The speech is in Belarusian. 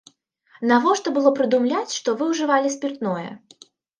Навошта было прыдумляць, што вы ўжывалі спіртное?